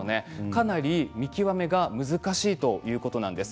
かなり見極めが難しいということなんです。